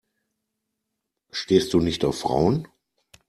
Stehst du nicht auf Frauen?